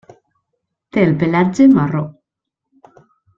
Té el pelatge marró.